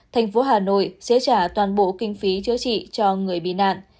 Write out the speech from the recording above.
thành phố hà nội sẽ trả toàn bộ kinh phí chữa trị cho người bị nạn